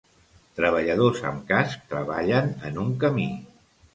Treballadors amb casc treballen en un camí.